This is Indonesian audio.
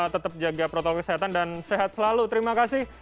tetap jaga protokol kesehatan dan sehat selalu terima kasih